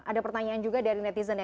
ada pertanyaan juga dari netizen ya